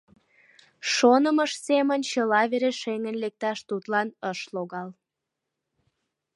Шонымыж семын чыла вере шеҥын лекташ тудлан ыш логал.